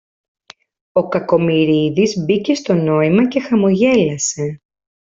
Ο Κακομοιρίδης μπήκε στο νόημα και χαμογέλασε